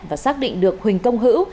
và xác định được huỳnh công hữu